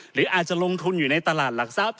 หรืออาจจะลงทุนอยู่ในตลาดหลักทรัพย